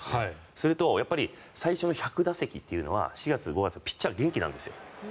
それと最初の１００打席というのは４月、５月はピッチャーは元気なんですよ。